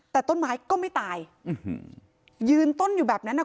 แต่ต้นไม้ก็ไม่ตายยืนต้นอยู่แบบนั้นอ่ะ